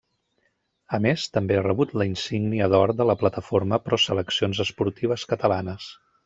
A més també ha rebut la insígnia d'or de la Plataforma Pro Seleccions Esportives Catalanes.